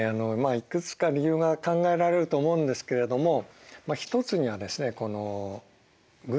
いくつか理由が考えられると思うんですけれども一つにはですねこの群島部